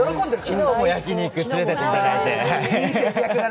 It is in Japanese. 昨日も焼き肉連れて行っていただいて。